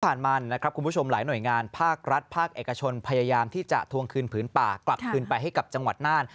ที่ผ่านมานะครับคุณผู้ชมหลายหน่วยงานภาครัฐภาคเอกชนพยายามที่จะทวงคืนผืนป่ากลับคืนไปให้กับจังหวัดน่าน